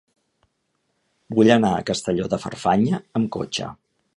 Vull anar a Castelló de Farfanya amb cotxe.